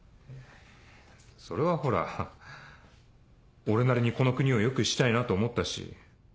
それはほら俺なりにこの国を良くしたいなと思ったし。